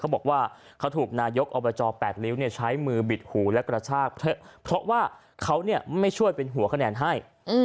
บอกว่าเขาถูกนายกอบจ๘ริ้วใช้มือบิดหูและกระชากเถอะเพราะว่าเขาไม่ช่วยเป็นหัวคะแนนให้